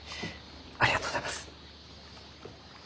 ありがとうございます。